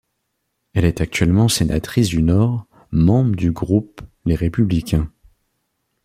Elle est actuellement sénatrice du Nord, membre du groupe Les Républicains.